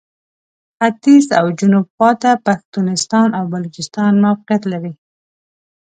ختیځ او جنوب خواته پښتونستان او بلوچستان موقعیت لري.